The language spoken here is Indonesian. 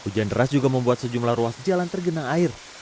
hujan deras juga membuat sejumlah ruas jalan tergenang air